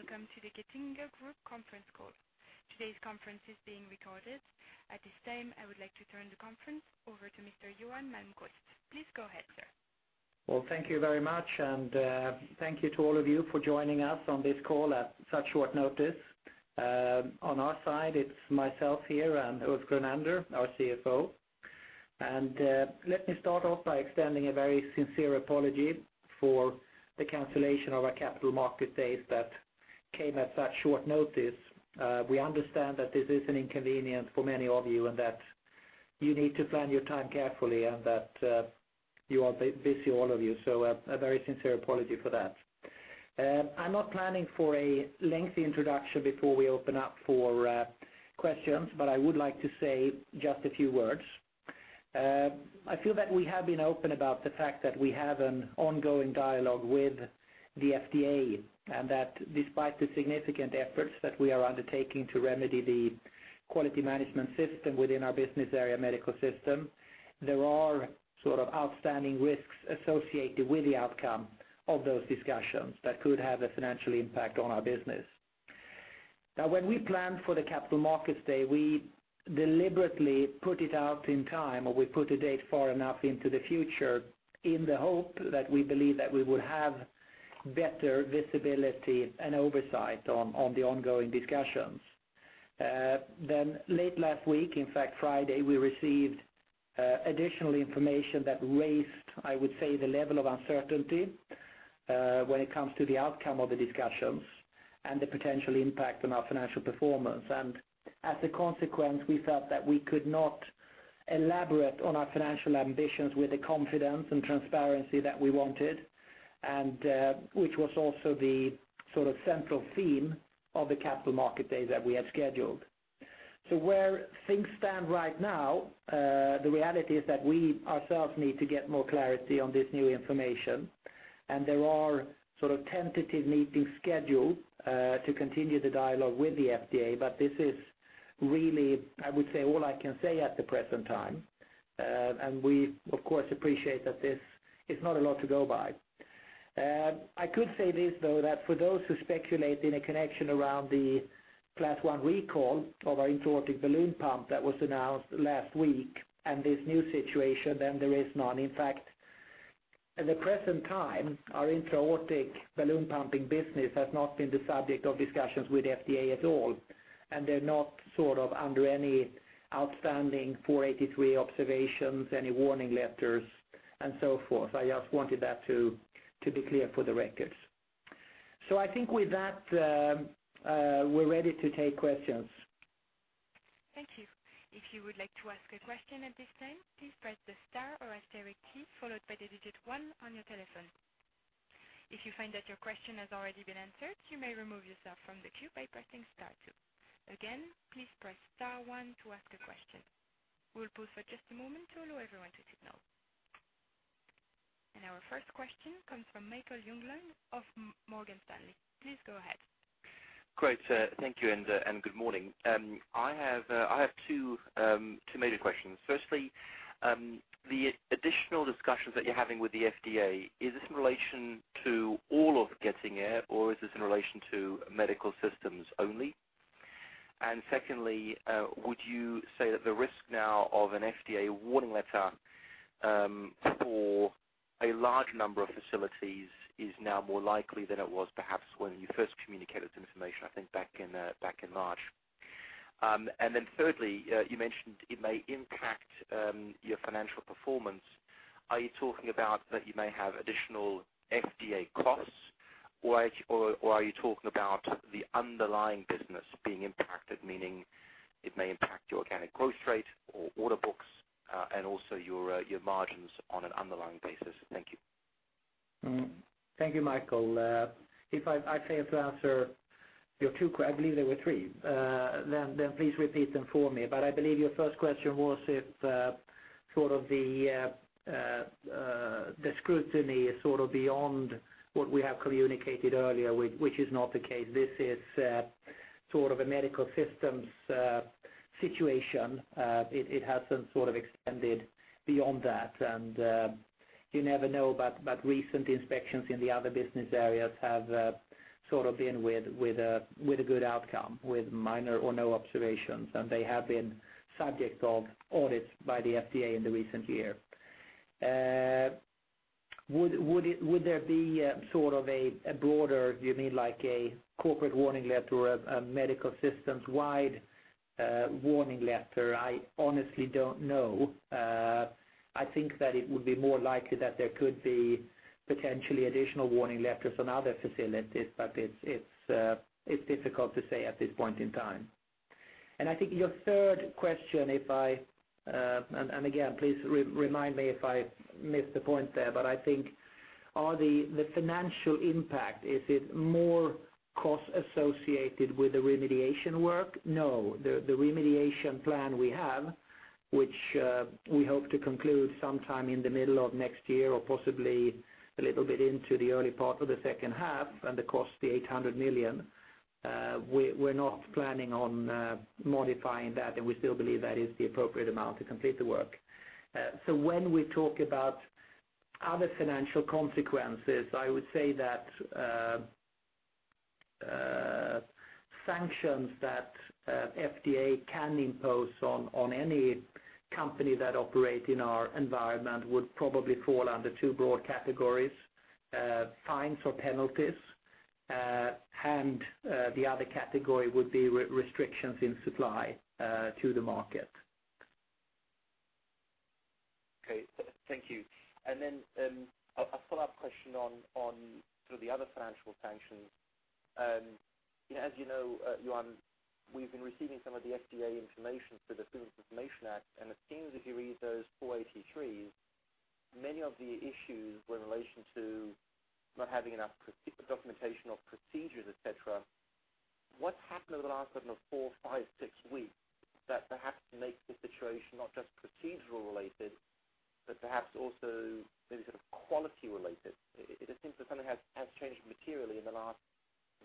Good day, and welcome to the Getinge Group Conference Call. Today's conference is being recorded. At this time, I would like to turn the conference over to Mr. Johan Malmquist. Please go ahead, sir. Well, thank you very much, and thank you to all of you for joining us on this call at such short notice. On our side, it's myself here and Ulf Grunander, our CFO. And let me start off by extending a very sincere apology for the cancellation of our Capital Markets Day that came at such short notice. We understand that this is an inconvenience for many of you and that you need to plan your time carefully, and that you are busy, all of you. So a very sincere apology for that. I'm not planning for a lengthy introduction before we open up for questions, but I would like to say just a few words. I feel that we have been open about the fact that we have an ongoing dialogue with the FDA, and that despite the significant efforts that we are undertaking to quality management system within our business area Medical Systems, there are sort of outstanding risks associated with the outcome of those discussions that could have a financial impact on our business. Now, when we planned for the Capital Markets Day, we deliberately put it out in time, or we put a date far enough into the future in the hope that we believe that we would have better visibility and oversight on the ongoing discussions. Then late last week, in fact, Friday, we received additional information that raised, I would say, the level of uncertainty when it comes to the outcome of the discussions and the potential impact on our financial performance. As a consequence, we felt that we could not elaborate on our financial ambitions with the confidence and transparency that we wanted, and, which was also the sort of central theme of the Capital Market Day that we had scheduled. Where things stand right now, the reality is that we ourselves need to get more clarity on this new information, and there are sort of tentative meetings scheduled to continue the dialogue with the FDA. But this is really, I would say, all I can say at the present time. And we, of course, appreciate that this is not a lot to go by. I could say this, though, that for those who speculate in a connection around the Class I recall of our intra-aortic balloon pump that was announced last week and this new situation, then there is none. In fact, at the present time, our intra-aortic balloon pumping business has not been the subject of discussions with FDA at all, and they're not sort of under any outstanding Form 483 observations, any warning letters, and so forth. I just wanted that to be clear for the records. So I think with that, we're ready to take questions. Thank you. If you would like to ask a question at this time, please press the star or asterisk key, followed by the digit one on your telephone. If you find that your question has already been answered, you may remove yourself from the queue by pressing star two. Again, please press star one to ask a question. We'll pause for just a moment to allow everyone to signal. Our first question comes from Michael Jüngling of Morgan Stanley. Please go ahead. Great, thank you, and good morning. I have two major questions. Firstly, the additional discussions that you're having with the FDA, is this in relation to all of Getinge, or is this in relation to Medical Systems only? And secondly, would you say that the risk now of an FDA warning letter for a large number of facilities is now more likely than it was perhaps when you first communicated this information, I think back in March? And then thirdly, you mentioned it may impact your financial performance. Are you talking about that you may have additional FDA costs, or are you talking about the underlying business being impacted, meaning it may impact your organic growth rate or order books, and also your margins on an underlying basis? Thank you. Thank you, Michael. If I fail to answer your two—I believe there were three—then please repeat them for me. But I believe your first question was if sort of the scrutiny is sort of beyond what we have communicated earlier, which is not the case. This is sort of a Medical Systems situation. It hasn't sort of extended beyond that. And you never know, but recent inspections in the other business areas have sort of been with a good outcome, with minor or no observations, and they have been subject of audits by the FDA in the recent year. Would there be sort of a broader, you mean like a corporate warning letter or a Medical Systems-wide warning letter? I honestly don't know. I think that it would be more likely that there could be potentially additional warning letters on other facilities, but it's difficult to say at this point in time. And I think your third question, if I, and again, please remind me if I missed the point there, but I think the financial impact, is it more costs associated with the remediation work? No. The remediation plan we have, which we hope to conclude sometime in the middle of next year or possibly a little bit into the early part of the second half, and the cost, the 800 million, we're not planning on modifying that, and we still believe that is the appropriate amount to complete the work. So when we talk about other financial consequences, I would say that sanctions that FDA can impose on any company that operate in our environment would probably fall under two broad categories, fines or penalties. The other category would be restrictions in supply to the market. Okay, thank you. Then, a follow-up question on sort of the other financial sanctions. As you know, Johan, we've been receiving some of the FDA information through the Freedom of Information Act, and it seems if you read those Form 483, many of the issues were in relation to not having enough proper documentation of procedures, etc. What's happened over the last sort of 4, 5, 6 weeks that perhaps makes the situation not just procedural related, but perhaps also maybe sort of quality related? It seems that something has changed materially in the last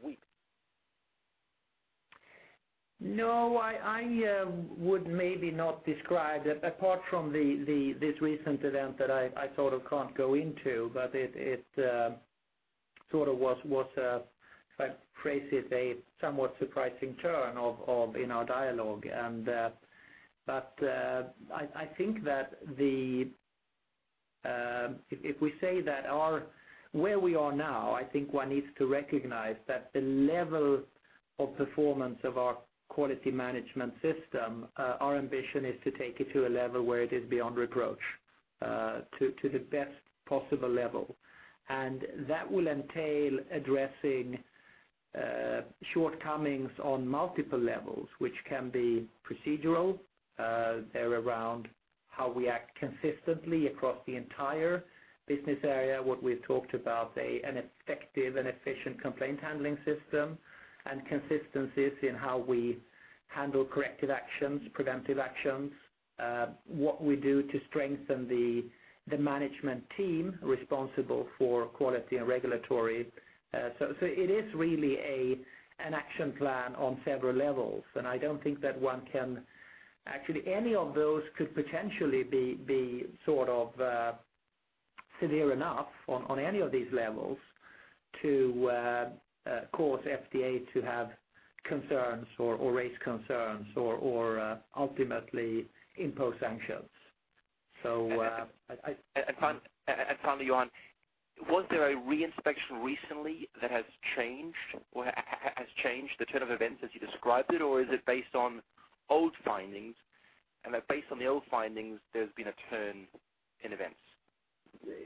weeks. No, I would maybe not describe it, apart from this recent event that I sort of can't go into, but it sort of was, if I phrase it, a somewhat surprising turn of events in our dialogue. But I think that if we say where we are now, one needs to recognize that the level of performance of our quality management system, our ambition is to take it to a level where it is beyond reproach, to the best possible level. That will entail addressing, shortcomings on multiple levels, which can be procedural, they're around how we act consistently across the entire business area, what we've talked about, an effective and efficient complaint handling system, and consistencies in how we handle corrective actions, preventive actions, what we do to strengthen the, the management team responsible for quality and regulatory. So, it is really an action plan on several levels, and I don't think that one can, actually, any of those could potentially be, be sort of, severe enough on, on any of these levels to, cause FDA to have concerns or, or raise concerns or, or, ultimately impose sanctions. And finally, Johan, was there a reinspection recently that has changed the turn of events as you described it, or is it based on old findings, and that based on the old findings, there's been a turn in events?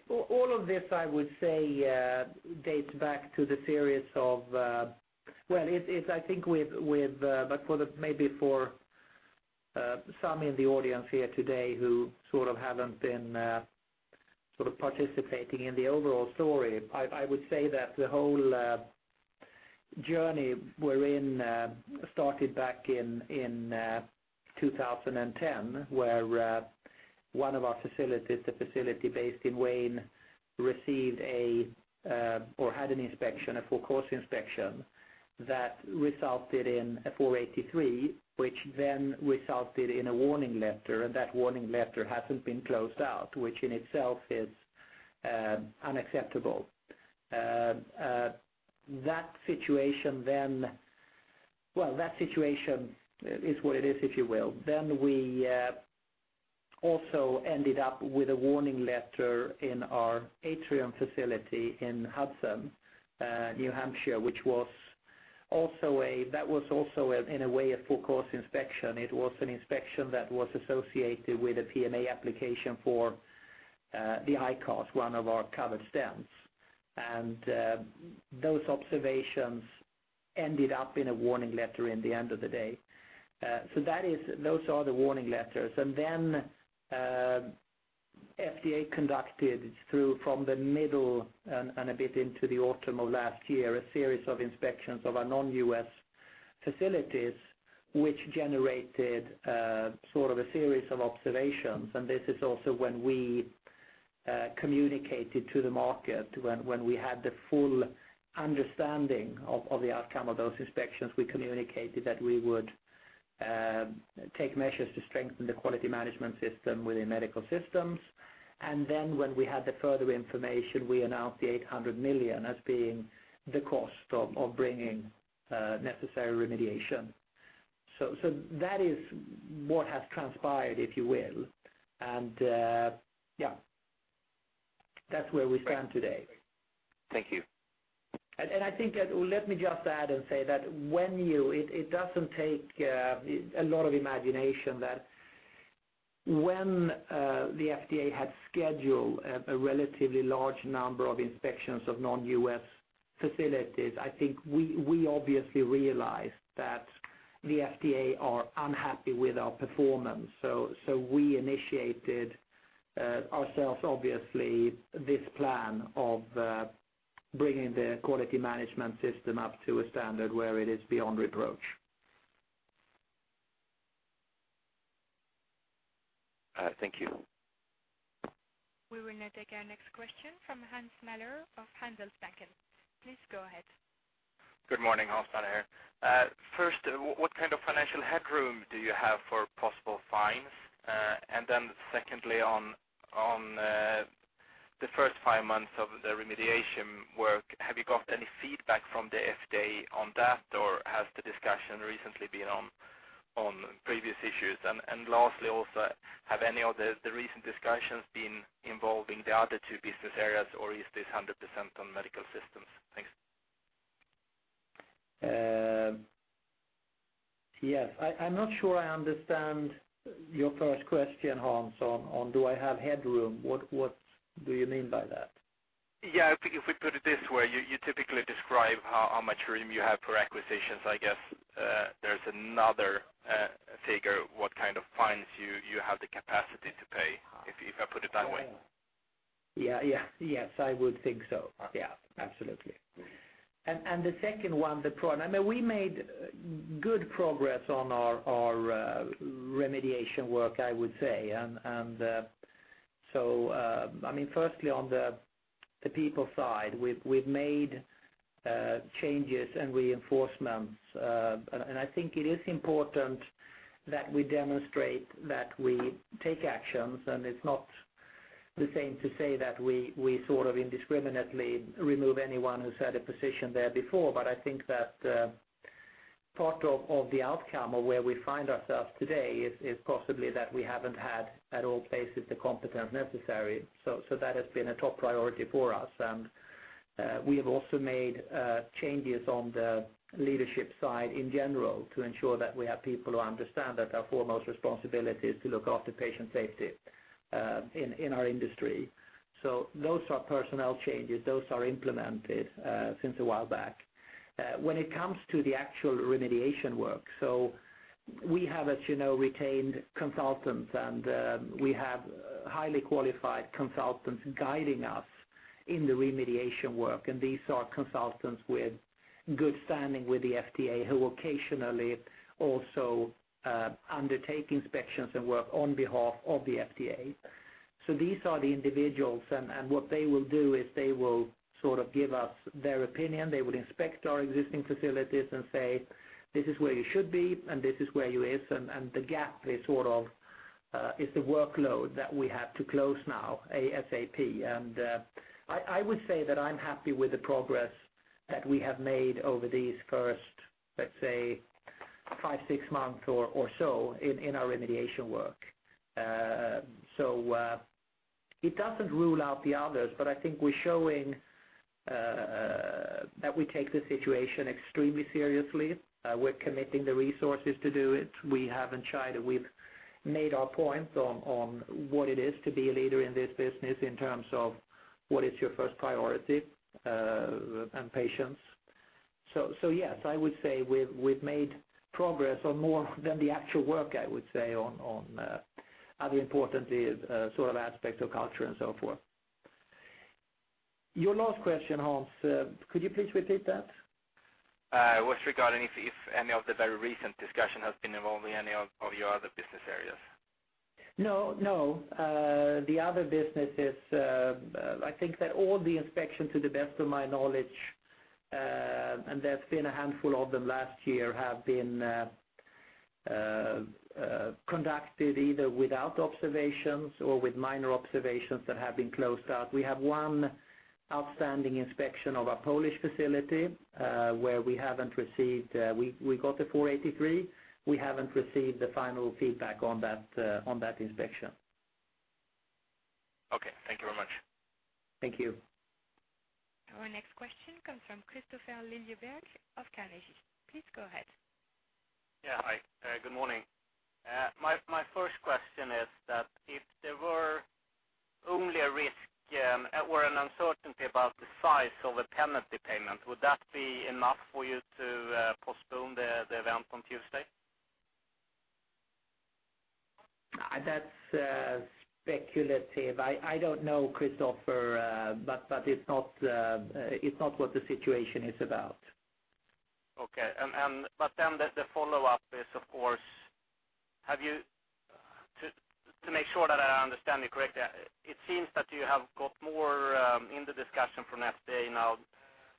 All of this, I would say, dates back to the series of, well, it's, it's I think with, with, but for the maybe for some in the audience here today who sort of haven't been sort of participating in the overall story, I would say that the whole journey we're in started back in 2010, where one of our facilities, the facility based in Wayne, received a, or had an inspection, a full course inspection, that resulted in a Form 483, which then resulted in a warning letter, and that warning letter hasn't been closed out, which in itself is unacceptable. That situation then—well, that situation is what it is, if you will. Then we also ended up with a warning letter in our Atrium facility in Hudson, New Hampshire, which was also a -- that was also, in a way, a full-course inspection. It was an inspection that was associated with a PMA application for the iCast, one of our covered stents. And those observations ended up in a warning letter in the end of the day. So that is, those are the warning letters. And then FDA conducted through from the middle and a bit into the autumn of last year, a series of inspections of our non-U.S. facilities, which generated sort of a series of observations. This is also when we communicated to the market, when we had the full understanding of the outcome of those inspections, we communicated that we would take measures to quality management system within Medical Systems. And then when we had the further information, we announced 800 million as being the cost of bringing necessary remediation. So that is what has transpired, if you will. And yeah, that's where we stand today. Thank you. And I think that, well, let me just add and say that when you—it doesn't take a lot of imagination that when the FDA had scheduled a relatively large number of inspections of non-U.S. facilities, I think we obviously realized that the FDA are unhappy with our performance. So we initiated ourselves, obviously, this plan of quality management system up to a standard where it is beyond reproach. Thank you. We will now take our next question from Hans Møller of Handelsbanken. Please go ahead. Good morning, Hans Møller. First, what kind of financial headroom do you have for possible fines? And then secondly, on the first five months of the remediation work, have you got any feedback from the FDA on that, or has the discussion recently been on previous issues? And lastly, also, have any of the recent discussions been involving the other two business areas, or is this 100% on Medical Systems? Thanks. Yes. I'm not sure I understand your first question, Hans, on do I have headroom? What do you mean by that? Yeah, if we put it this way, you typically describe how much room you have for acquisitions. I guess, there's another figure, what kind of fines you have the capacity to pay, if I put it that way. Yeah, yeah. Yes, I would think so. Yeah, absolutely. And the second one, the progress, I mean, we made good progress on our remediation work, I would say. And so, I mean, firstly, on the people side, we've made changes and reinforcements. And I think it is important that we demonstrate that we take actions, and it's not the same to say that we sort of indiscriminately remove anyone who's had a position there before. But I think that part of the outcome or where we find ourselves today is possibly that we haven't had, at all places, the competence necessary. So that has been a top priority for us. We have also made changes on the leadership side in general, to ensure that we have people who understand that our foremost responsibility is to look after patient safety in our industry. So those are personnel changes. Those are implemented since a while back. When it comes to the actual remediation work, so we have, as you know, retained consultants, and we have highly qualified consultants guiding us in the remediation work. And these are consultants with good standing with the FDA, who occasionally also undertake inspections and work on behalf of the FDA. So these are the individuals, and what they will do is they will sort of give us their opinion. They would inspect our existing facilities and say, "This is where you should be, and this is where you is." The gap is sort of the workload that we have to close now, ASAP. I would say that I'm happy with the progress that we have made over these first, let's say, five, six months or so in our remediation work. It doesn't rule out the others, but I think we're showing that we take the situation extremely seriously. We're committing the resources to do it. We haven't tried it. We've made our point on what it is to be a leader in this business in terms of what is your first priority, and patients. So yes, I would say we've made progress on more than the actual work, I would say, on other importantly, sort of aspects of culture and so forth. Your last question, Hans, could you please repeat that? Was regarding if any of the very recent discussion has been involving any of your other business areas? No, no. The other businesses, I think that all the inspections, to the best of my knowledge, and there's been a handful of them last year, have been conducted either without observations or with minor observations that have been closed out. We have one outstanding inspection of our Polish facility, where we haven't received, we got a Form 483. We haven't received the final feedback on that inspection. Okay. Thank you very much. Thank you. Our next question comes from Kristofer Liljeberg of Carnegie. Please go ahead. Yeah, hi. Good morning. My first question is that if there were only a risk or an uncertainty about the size of a penalty payment, would that be enough for you to postpone the event on Tuesday? That's speculative. I don't know, Kristofer, but it's not what the situation is about. Okay. But then the follow-up is, of course, to make sure that I understand you correctly, it seems that you have got more in the discussion from FDA now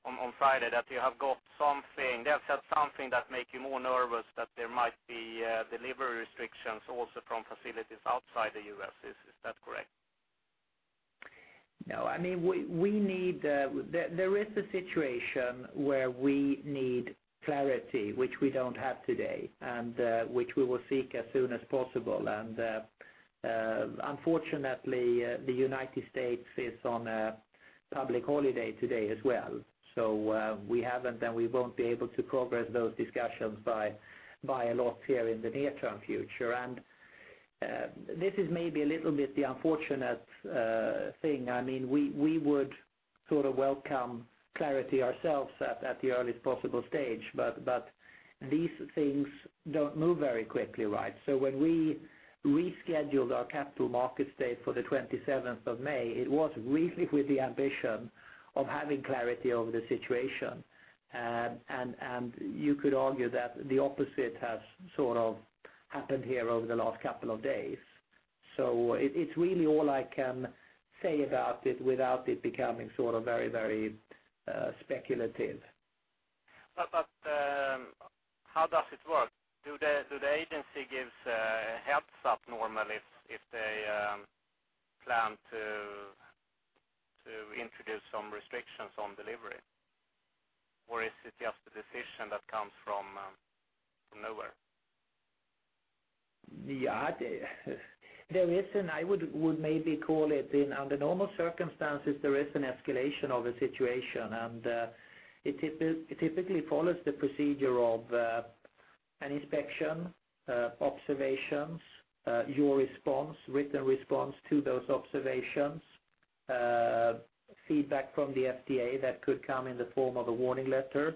on Friday, that you have got something, they have said something that make you more nervous, that there might be delivery restrictions also from facilities outside the U.S. Is that correct? No. I mean, we need. There is a situation where we need clarity, which we don't have today, and which we will seek as soon as possible. And unfortunately, the United States is on a public holiday today as well, so we haven't, and we won't be able to progress those discussions by a lot here in the near-term future. And this is maybe a little bit the unfortunate thing. I mean, we would sort of welcome clarity ourselves at the earliest possible stage, but these things don't move very quickly, right? So when we rescheduled our capital market date for the 27th of May, it was really with the ambition of having clarity over the situation. you could argue that the opposite has sort of happened here over the last couple of days. So it's really all I can say about it without it becoming sort of very, very speculative. How does it work? Do the agency give a heads up normally if they plan to introduce some restrictions on delivery, or is it just a decision that comes from nowhere? Yeah, there is, and I would maybe call it under normal circumstances, there is an escalation of a situation, and it typically follows the procedure of an inspection, observations, your response, written response to those observations, feedback from the FDA that could come in the form of a warning letter,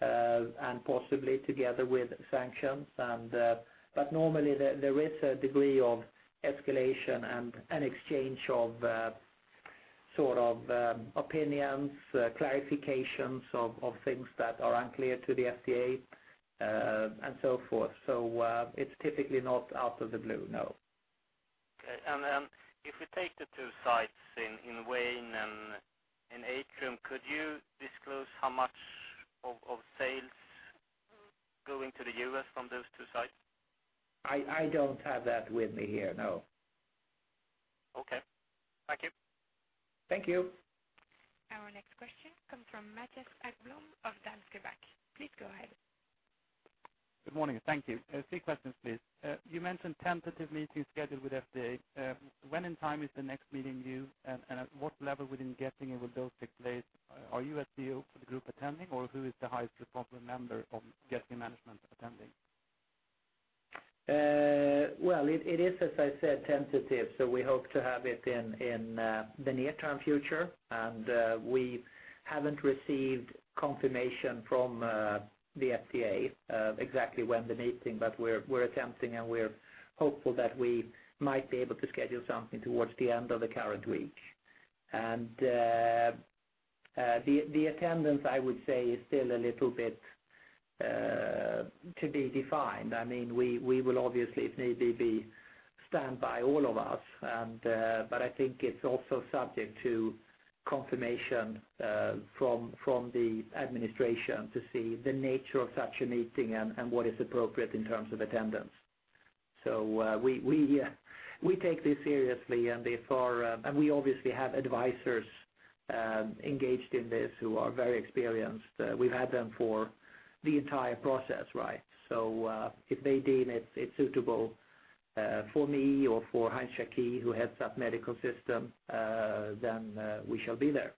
and possibly together with sanctions. But normally there is a degree of escalation and an exchange of sort of opinions, clarifications of things that are unclear to the FDA, and so forth. So, it's typically not out of the blue, no. Okay. And if we take the two sites in Wayne and in Atrium, could you disclose how much of sales going to the U.S. from those two sites? I don't have that with me here, no. Okay. Thank you. Thank you. Our next question comes from Mattias Ahlbom of Danske Bank. Please go ahead. Good morning. Thank you. Three questions, please. You mentioned tentative meeting scheduled with FDA. When in time is the next meeting due, and at what level within Getinge will those take place? Are you as CEO of the group attending, or who is the highest responsible member of Getinge management attending? Well, it is, as I said, tentative, so we hope to have it in the near-term future. And we haven't received confirmation from the FDA exactly when the meeting, but we're attempting, and we're hopeful that we might be able to schedule something towards the end of the current week. And the attendance, I would say, is still a little bit to be defined. I mean, we will obviously, if need be, be stand by all of us, and but I think it's also subject to confirmation from the administration to see the nature of such a meeting and what is appropriate in terms of attendance. So we take this seriously, and therefore, and we obviously have advisors engaged in this who are very experienced. We've had them for the entire process, right? So, if they deem it suitable for me or for Heinz Jacqui, who heads up Medical Systems, then we shall be there.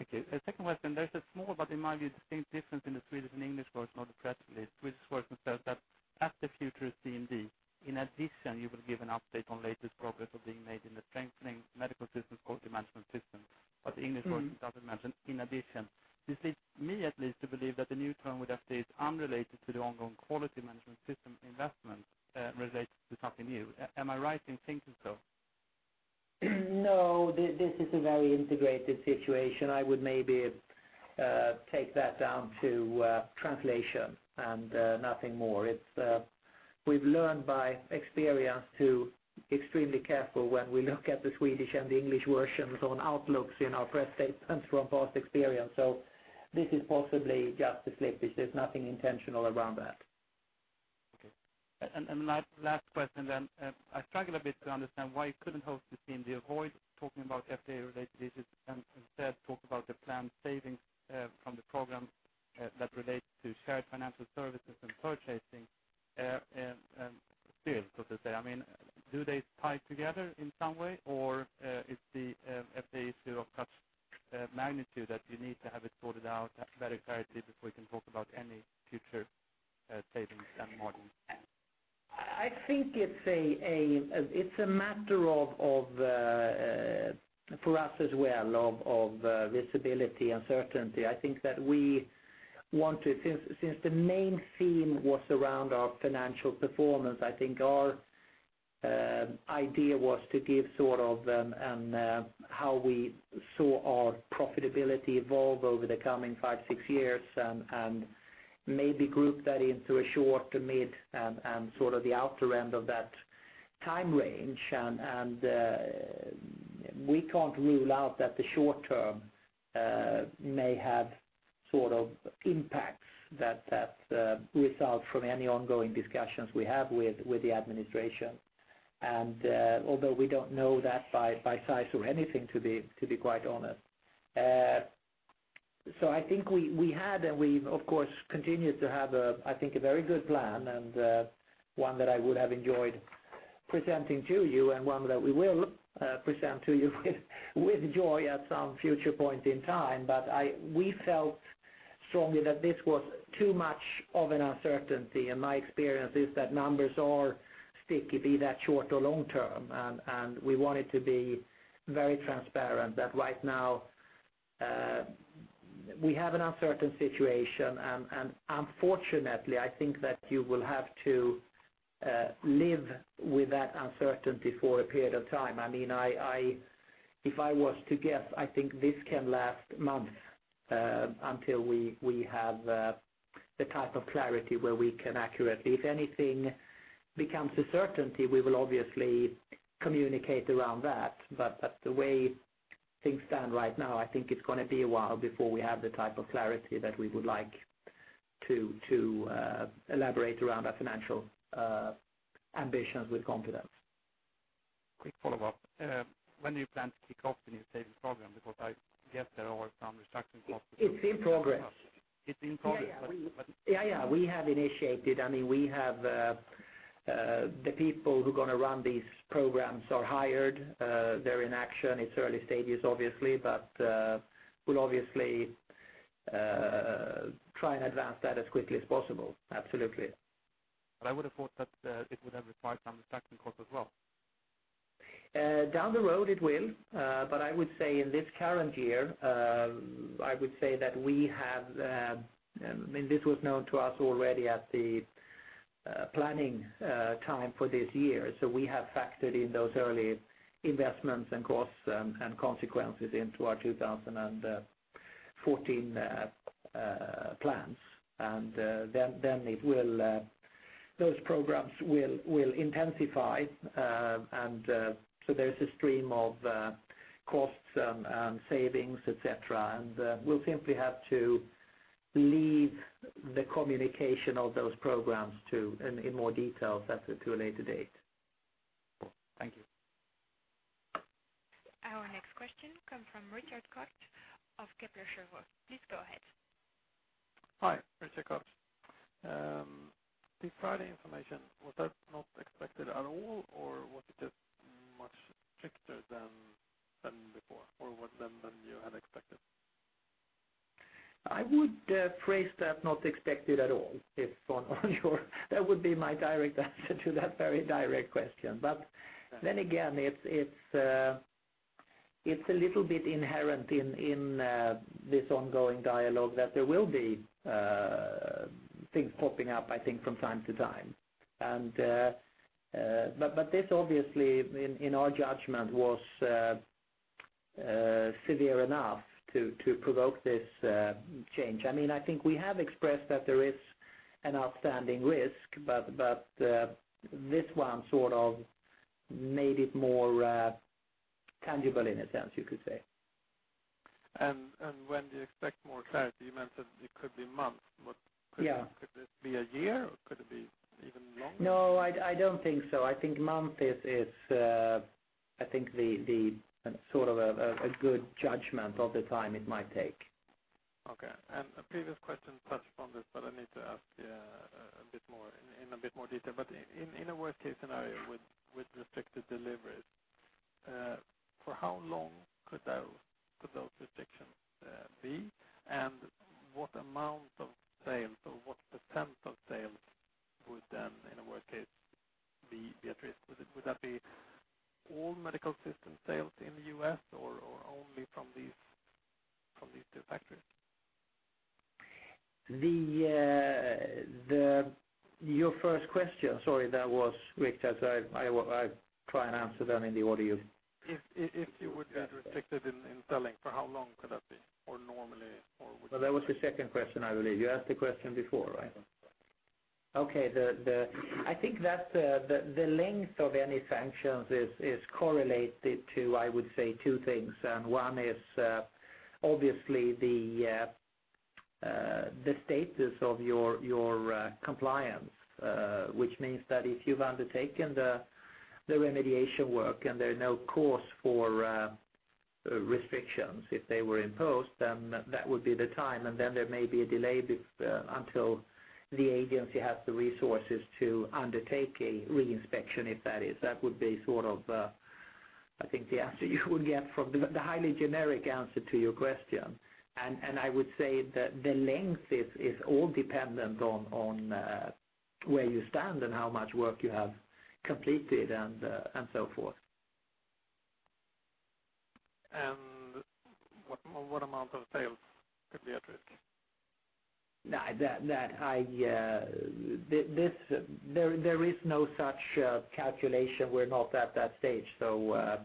Okay. Second question, there's a small, but in my view, distinct difference in the Swedish and English version of the press release. Swedish version says that at the future CMD, in addition, you will give an update on latest progress of being made in the strengthening Medical Systems quality management system. But the English version doesn't mention in addition. This leads me, at least, to believe that the new term with FDA is unrelated to quality management system investment, related to something new. Am I right in thinking so? No, this, this is a very integrated situation. I would maybe take that down to translation and nothing more. We've learned by experience to extremely careful when we look at the Swedish and the English versions on outlooks in our press statements from past experience. So this is possibly just a slip, which there's nothing intentional around that. Okay. My last question then, I struggle a bit to understand why you couldn't host the team, avoid talking about FDA-related issues, and instead talk about the planned savings from the program that relates to shared financial services and purchasing, and still, so to say, I mean, do they tie together in some way, or is the FDA issue of such magnitude that you need to have it sorted out very clearly before you can talk about any future savings and margins? I think it's a matter of for us as well, visibility and certainty. I think that we want to, since the main theme was around our financial performance. I think our idea was to give sort of how we saw our profitability evolve over the coming 5-6 years, and maybe group that into a short to mid and sort of the outer end of that time range. We can't rule out that the short term may have sort of impacts that result from any ongoing discussions we have with the administration. Although we don't know that by size or anything, to be quite honest. So I think we had, and we've of course continued to have a, I think, a very good plan and one that I would have enjoyed presenting to you, and one that we will present to you with joy at some future point in time. But we felt strongly that this was too much of an uncertainty, and my experience is that numbers are sticky, be that short or long term. And we wanted to be very transparent that right now we have an uncertain situation, and unfortunately, I think that you will have to live with that uncertainty for a period of time. I mean, if I was to guess, I think this can last months, until we have. The type of clarity where we can accurately, if anything becomes a certainty, we will obviously communicate around that. But the way things stand right now, I think it's gonna be a while before we have the type of clarity that we would like to elaborate around our financial ambitions with confidence. Quick follow-up. When do you plan to kick off the new savings program? Because I guess there are some restructuring costs- It's in progress. It's in progress, but- Yeah, yeah, we have initiated. I mean, we have the people who are gonna run these programs are hired, they're in action. It's early stages, obviously, but we'll obviously try and advance that as quickly as possible. Absolutely. But I would have thought that, it would have required some restructuring cost as well. Down the road, it will. But I would say in this current year, I would say that we have, I mean, this was known to us already at the planning time for this year. So we have factored in those early investments and costs and consequences into our 2014 plans. And then those programs will intensify, and so there's a stream of costs and savings, etc. And we'll simply have to leave the communication of those programs, in more detail, to a later date. Thank you. Our next question comes from Richard Koch of Kepler Cheuvreux. Please go ahead. Hi, Richard Koch. The Friday information, was that not expected at all, or was it just much stricter than, than before, or was than, than you had expected? I would phrase that not expected at all, if on, on your. That would be my direct answer to that very direct question. But then again, it's, it's, it's a little bit inherent in, in, this ongoing dialogue that there will be things popping up, I think, from time to time. And, but, but this obviously, in, in our judgment, was severe enough to, to provoke this change. I mean, I think we have expressed that there is an outstanding risk, but, but this one sort of made it more tangible in a sense, you could say. And when do you expect more clarity? You mentioned it could be months, but, could it be a year, or could it be even longer? No, I don't think so. I think the sort of a good judgment of the time it might take. Okay. A previous question touched on this, but I need to ask you a bit more, in a bit more detail. But in a worst-case scenario with restricted deliveries, for how long could those restrictions be? And what amount of sales or what percent of sales would then, in a worst case, be at risk? Would that be all Medical Systems sales in the U.S. or only from these two factories? Your first question, sorry, that was quick, as I try and answer them in the order you. If you would be restricted in selling, for how long could that be, or normally, or would. Well, that was the second question, I believe. You asked the question before, right? Okay, I think that the length of any sanctions is correlated to, I would say, two things, and one is obviously the status of your compliance, which means that if you've undertaken the remediation work and there are no cause for restrictions, if they were imposed, then that would be the time, and then there may be a delay until the agency has the resources to undertake a reinspection, if that is. That would be sort of, I think, the answer you would get from the highly generic answer to your question. And I would say that the length is all dependent on where you stand and how much work you have completed and so forth. What amount of sales could be at risk? There is no such calculation. We're not at that stage, so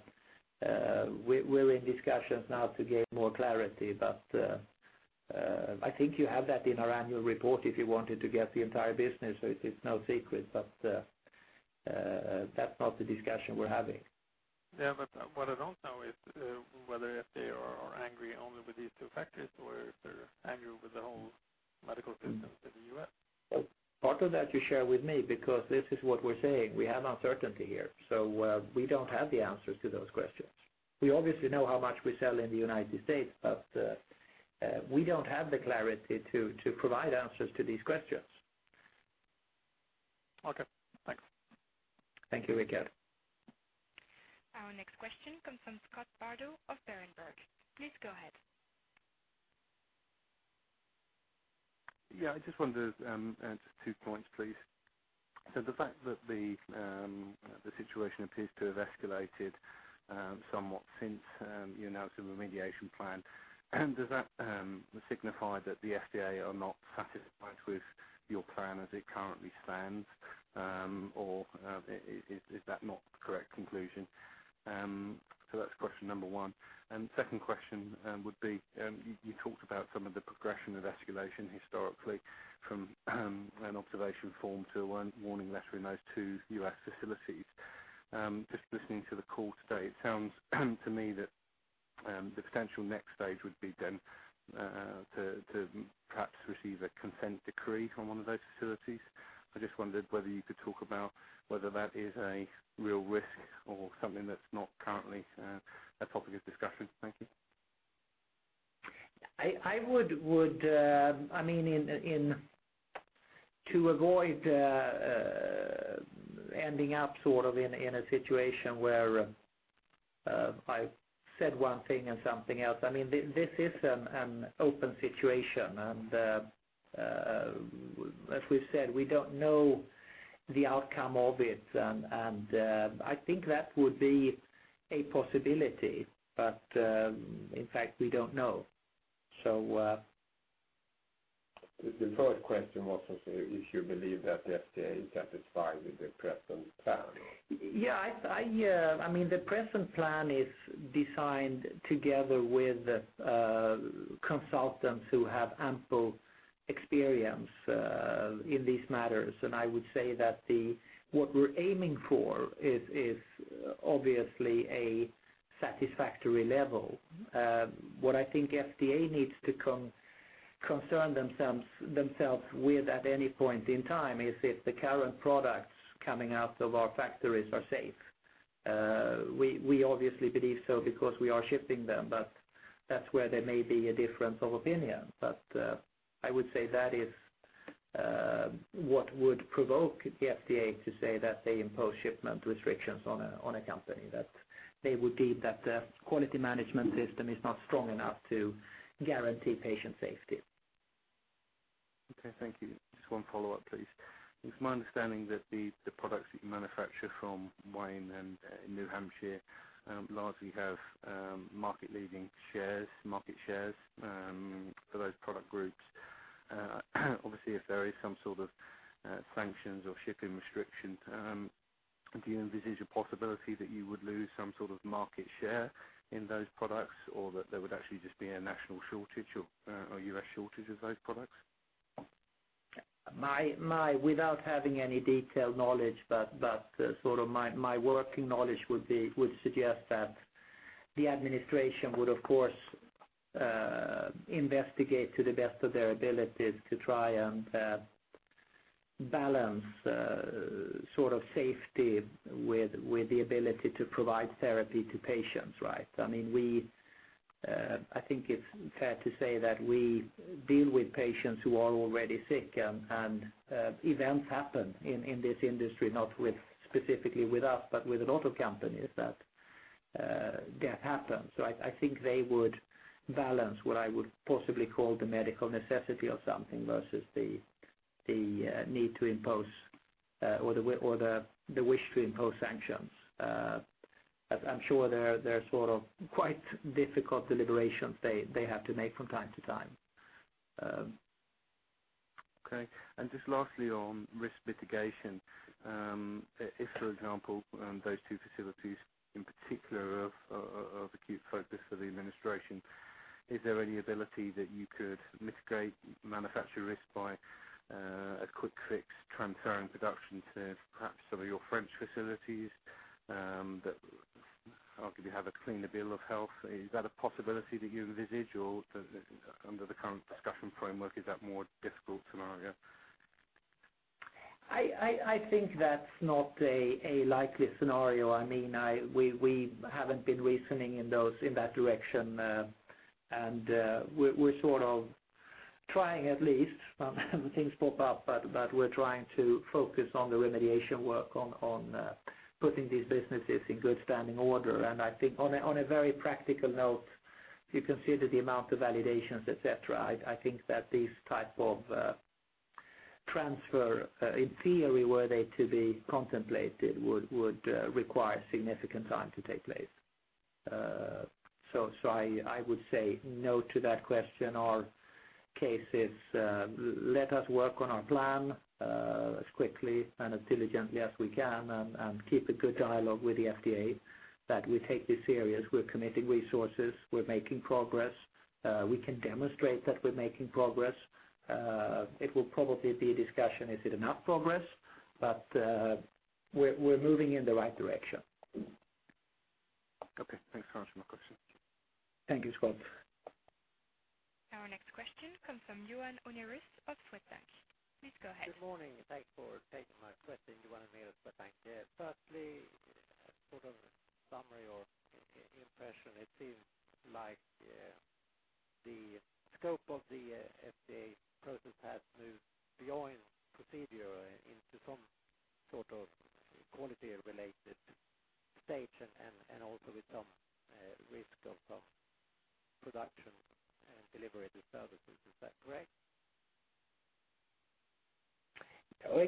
we're in discussions now to gain more clarity, but I think you have that in our annual report if you wanted to get the entire business. So it's no secret, but that's not the discussion we're having. Yeah, but what I don't know is whether if they are angry only with these two factors or if they're angry with the whole medical systems in the U.S. Part of that you share with me, because this is what we're saying, we have uncertainty here, so we don't have the answers to those questions. We obviously know how much we sell in the United States, but we don't have the clarity to provide answers to these questions. Okay, thanks. Thank you, Richard. Our next question comes from Scott Bardo of Berenberg. Please go ahead. Yeah, I just wanted to ask two points, please. So the fact that the situation appears to have escalated somewhat since you announced a remediation plan, and does that signify that the FDA are not satisfied with your plan as it currently stands, or is that not the correct conclusion? So that's question number one. And second question would be you talked about some of the progression of escalation historically from a Form 483 to a warning letter in those two U.S. facilities. Just listening to the call today, it sounds to me that the potential next stage would be then to perhaps receive a consent decree from one of those facilities. I just wondered whether you could talk about whether that is a real risk or something that's not currently a topic of discussion. Thank you. I would, I mean, to avoid ending up sort of in a situation where I said one thing and something else, I mean, this is an open situation, and as we've said, we don't know the outcome of it. I think that would be a possibility, but in fact, we don't know. The first question was if you believe that the FDA is satisfied with the present plan? Yeah, I mean, the present plan is designed together with consultants who have ample experience in these matters. And I would say that what we're aiming for is obviously a satisfactory level. What I think FDA needs to concern themselves with, at any point in time, is if the current products coming out of our factories are safe. We obviously believe so because we are shipping them, but that's where there may be a difference of opinion. But I would say that is what would provoke the FDA to say that they impose shipment restrictions on a company, that they would deem that quality management system is not strong enough to guarantee patient safety. Okay, thank you. Just one follow-up, please. It's my understanding that the products that you manufacture from Wayne and in New Hampshire largely have market-leading shares, market shares for those product groups. Obviously, if there is some sort of sanctions or shipping restriction, do you envisage a possibility that you would lose some sort of market share in those products, or that there would actually just be a national shortage or a U.S. shortage of those products? Without having any detailed knowledge, but sort of my working knowledge would suggest that the administration would, of course, investigate to the best of their abilities to try and balance sort of safety with the ability to provide therapy to patients, right? I mean, I think it's fair to say that we deal with patients who are already sick, and events happen in this industry, not specifically with us, but with a lot of companies that happens. So I think they would balance what I would possibly call the medical necessity of something versus the need to impose or the wish to impose sanctions. As I'm sure there are sort of quite difficult deliberations they have to make from time to time. Okay. And just lastly, on risk mitigation, if, for example, those two facilities in particular are of acute focus for the administration, is there any ability that you could mitigate manufacturer risk by a quick fix, transferring production to perhaps some of your French facilities that arguably have a cleaner bill of health? Is that a possibility that you envisage, or under the current discussion framework, is that more difficult scenario? I think that's not a likely scenario. I mean, we haven't been reasoning in that direction, and we're sort of trying at least, things pop up, but we're trying to focus on the remediation work on putting these businesses in good standing order. And I think on a very practical note, if you consider the amount of validations, etc., I think that these type of transfer, in theory, were they to be contemplated, would require significant time to take place. So I would say no to that question. Our case is, let us work on our plan, as quickly and as diligently as we can, and keep a good dialogue with the FDA, that we take this serious. We're committing resources. We're making progress. We can demonstrate that we're making progress. It will probably be a discussion, is it enough progress? But, we're moving in the right direction. Okay, thanks very much for my question. Thank you, Scott. Our next question comes from Johan Unnérus of Swedbank. Please go ahead. Good morning, and thanks for taking my question. Johan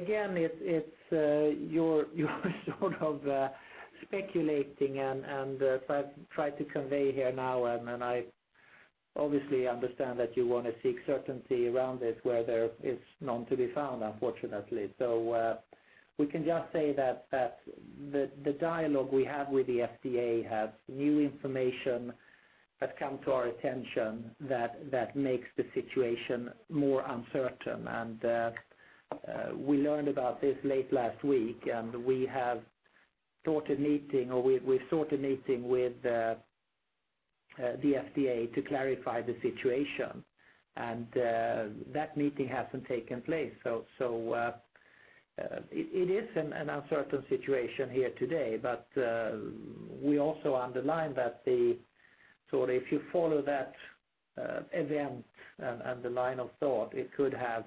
Unnérus, Swedbank. Yeah, firstly, sort of summary or impression, it seems like the scope of the FDA process has moved beyond procedure into some sort of quality-related stage and also with some risk of production and delivery disturbances. Is that correct? Again, it's, you're sort of speculating and, and I've tried to convey here now, and I obviously understand that you want to seek certainty around this, where there is none to be found, unfortunately. So, we can just say that the dialogue we have with the FDA has new information that come to our attention that makes the situation more uncertain. And, we learned about this late last week, and we have sought a meeting, or we've sought a meeting with the FDA to clarify the situation. And, that meeting hasn't taken place. So, it is an uncertain situation here today. But, we also underline that the, sort of if you follow that, event and the line of thought, it could have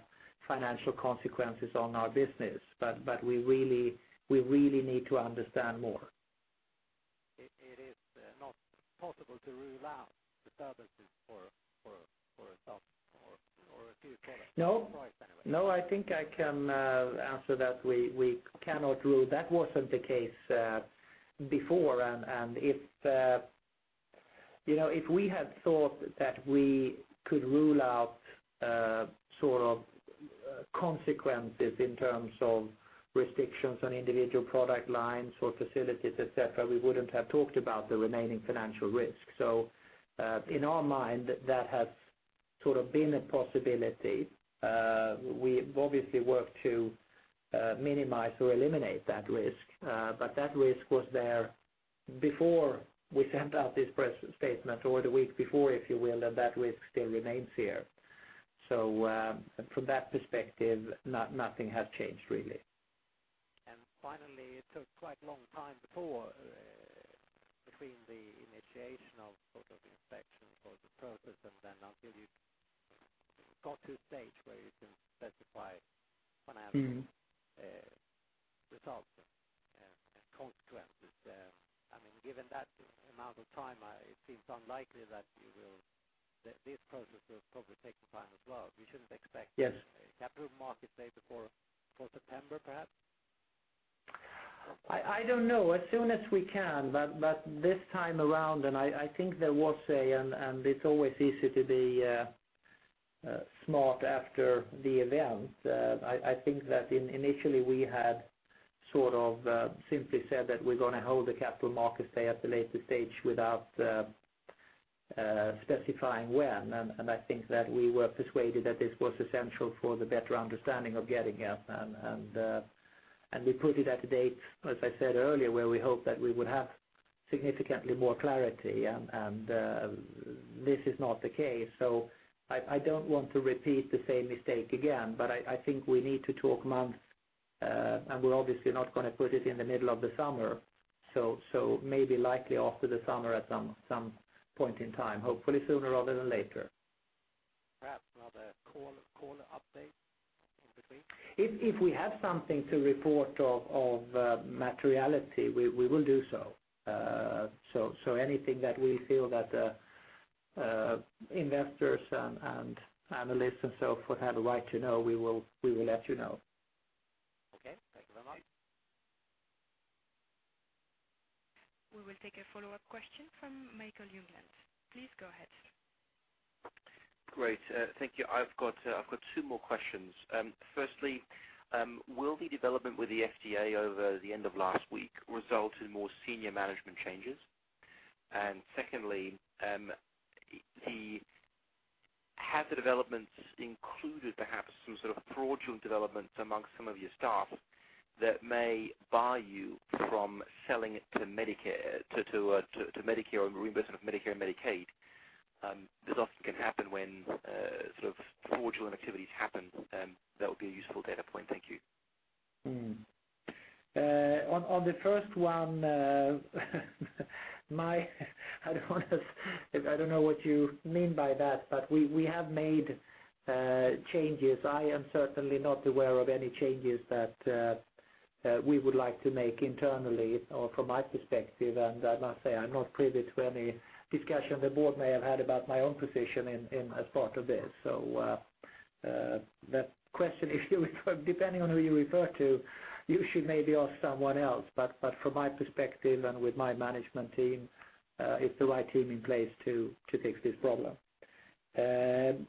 financial consequences on our business. But, we really, we really need to understand more. It is not possible to rule out disturbances for a thought or a few products? No. Right. No, I think I can answer that. We cannot rule. That wasn't the case before. And if you know, if we had thought that we could rule out sort of consequences in terms of restrictions on individual product lines or facilities, etc., we wouldn't have talked about the remaining financial risk. So in our mind, that has sort of been a possibility. We obviously work to minimize or eliminate that risk, but that risk was there before we sent out this press statement or the week before, if you will, and that risk still remains here. So from that perspective, nothing has changed, really. And finally, it took quite a long time before, between the initiation of sort of inspection for the process, and then until you got to a stage where you can specify financial results and consequences. I mean, given that amount of time, it seems unlikely that this process will probably take some time as well. We shouldn't expect- Yes A Capital Market Day before, before September, perhaps? I don't know, as soon as we can. But this time around, I think it's always easy to be smart after the event. I think that initially, we had sort of simply said that we're gonna hold the Capital Markets Day at the later stage without specifying when. I think that we were persuaded that this was essential for the better understanding of Getinge. We put it at a date, as I said earlier, where we hope that we would have significantly more clarity, and this is not the case. So I don't want to repeat the same mistake again, but I think we need to talk months, and we're obviously not gonna put it in the middle of the summer. So, maybe likely after the summer at some point in time, hopefully sooner rather than later. Perhaps another call, call update in between? If we have something to report of materiality, we will do so. So anything that we feel investors and analysts and so forth have a right to know, we will let you know. Okay. Thank you very much. We will take a follow-up question from Michael Jüngling. Please go ahead. Great, thank you. I've got, I've got two more questions. Firstly, will the development with the FDA over the end of last week result in more senior management changes? And secondly, have the developments included perhaps some sort of fraudulent developments amongst some of your staff that may bar you from selling it to Medicare, to Medicare or reimbursement of Medicare and Medicaid? This often can happen when, sort of fraudulent activities happen, that would be a useful data point. Thank you. On the first one, I don't want to—I don't know what you mean by that, but we have made changes. I am certainly not aware of any changes that we would like to make internally or from my perspective. And I must say, I'm not privy to any discussion the board may have had about my own position in as part of this. So that question, if you depending on who you refer to, you should maybe ask someone else. But from my perspective, and with my management team, it's the right team in place to fix this problem. And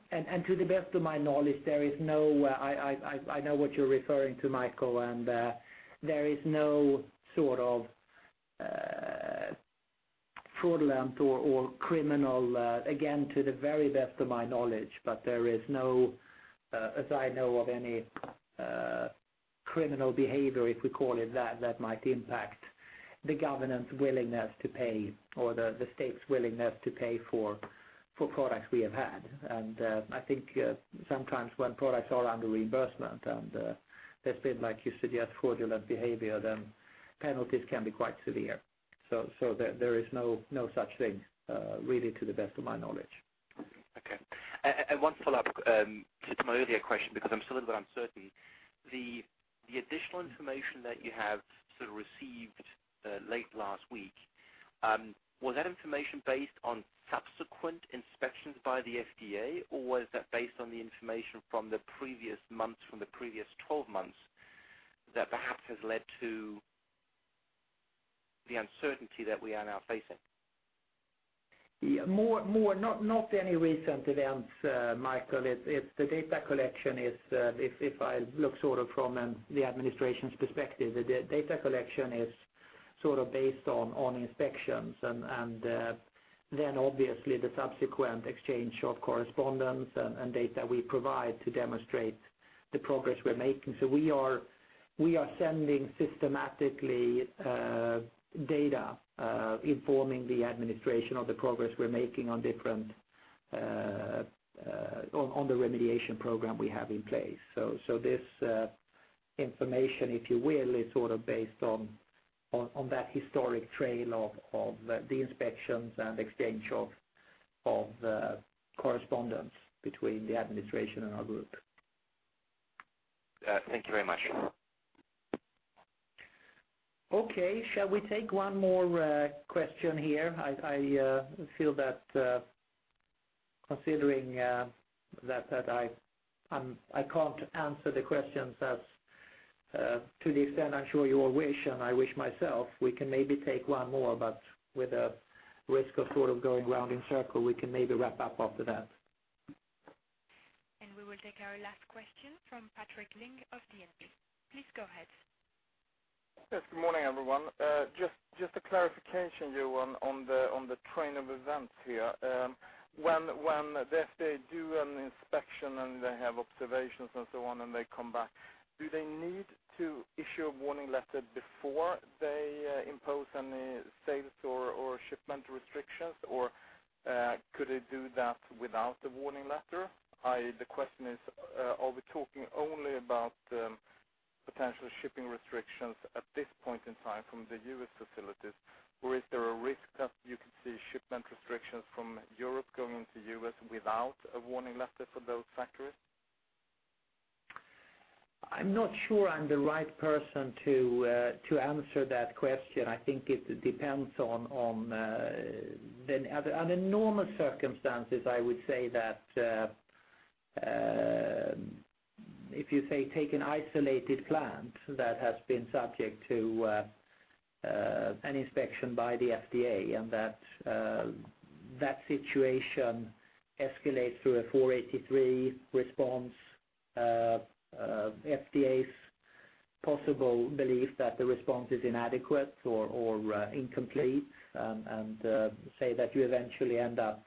to the best of my knowledge, there is no, I know what you're referring to, Michael, and there is no sort of fraudulent or criminal, again, to the very best of my knowledge. But there is no, as I know of any criminal behavior, if we call it that, that might impact the government's willingness to pay or the state's willingness to pay for products we have had. And I think sometimes when products are under reimbursement and there's been, like you suggest, fraudulent behavior, then penalties can be quite severe. So there is no such thing, really, to the best of my knowledge. Okay. And one follow-up to my earlier question, because I'm still a little bit uncertain. The additional information that you have sort of received late last week was that information based on subsequent inspections by the FDA, or was that based on the information from the previous months, from the previous 12 months, that perhaps has led to the uncertainty that we are now facing? Yeah, more or less, not any recent events, Michael. It's the data collection. If I look sort of from the administration's perspective, the data collection is sort of based on inspections, and then obviously the subsequent exchange of correspondence and data we provide to demonstrate the progress we're making. So we are sending systematically data informing the administration of the progress we're making on different on the remediation program we have in place. So this information, if you will, is sort of based on that historic trail of the inspections and exchange of correspondence between the administration and our group. Thank you very much. Okay. Shall we take one more question here? I feel that considering that I can't answer the questions as to the extent I'm sure you all wish, and I wish myself, we can maybe take one more, but with a risk of sort of going around in circle, we can maybe wrap up after that. We will take our last question from Patrik Ling of DNB. Please go ahead. Yes, good morning, everyone. Just, just a clarification, Johan, on the, on the train of events here. When, when the FDA do an inspection, and they have observations and so on, and they come back, do they need to issue a warning letter before they impose any sales or, or shipment restrictions, or could they do that without a warning letter? The question is, are we talking only about potential shipping restrictions at this point in time from the U.S. facilities, or is there a risk that you could see shipment restrictions from Europe going into U.S. without a warning letter for those factories? I'm not sure I'm the right person to answer that question. I think it depends on, on, then under normal circumstances, I would say that, if you say, take an isolated plant that has been subject to an inspection by the FDA, and that situation escalates through a Form 483 response. FDA's possible belief that the response is inadequate or incomplete, and say that you eventually end up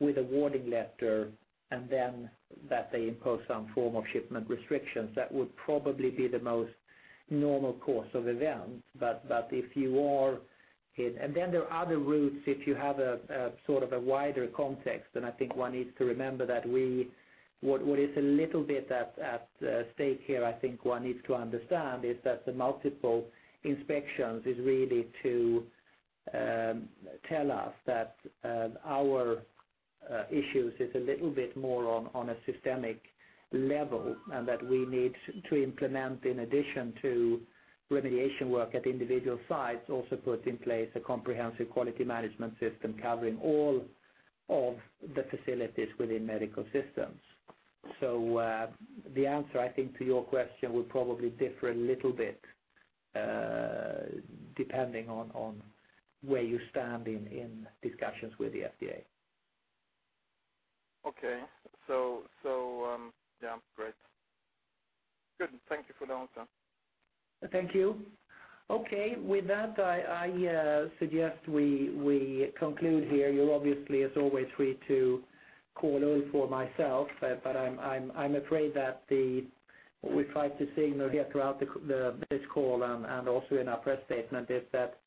with a warning letter, and then that they impose some form of shipment restrictions, that would probably be the most normal course of events. But, if you are. And then there are other routes, if you have a sort of wider context, then I think one needs to remember that what is a little bit at stake here. I think one needs to understand is that the multiple inspections is really to tell us that our issues is a little bit more on a systemic level, and that we need to implement, in addition to remediation work at individual sites, also put in place a comprehensive quality management system covering all of the facilities within Medical Systems. So, the answer, I think, to your question, will probably differ a little bit depending on where you stand in discussions with the FDA. Okay. So, yeah, great. Good. Thank you for the answer. Thank you. Okay. With that, I suggest we conclude here. You're obviously, as always, free to call Ulf or myself, but I'm afraid that the we tried to signal here throughout the call and also in our press statement is that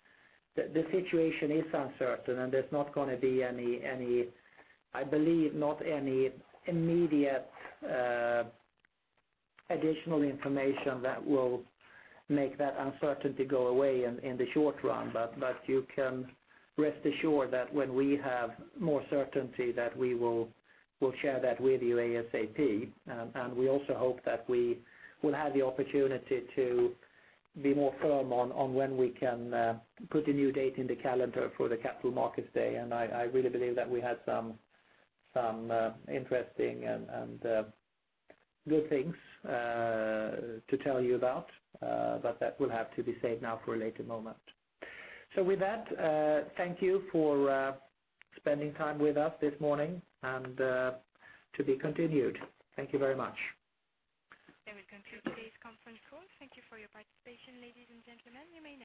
the situation is uncertain, and there's not gonna be any, I believe, not any immediate additional information that will make that uncertainty go away in the short run. But you can rest assured that when we have more certainty, that we will share that with you ASAP. And we also hope that we will have the opportunity to be more firm on when we can put a new date in the calendar for the Capital Markets Day. I really believe that we had some interesting and good things to tell you about, but that will have to be saved now for a later moment. So with that, thank you for spending time with us this morning, and to be continued. Thank you very much. That will conclude today's conference call. Thank you for your participation, ladies and gentlemen. You may disconnect.